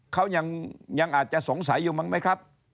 เขายังอาจจะสงสัยอยู่มั้งไหมครับ